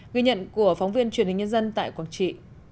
ghi nhận của phóng viên truyền hình nhân dân tại quảng trị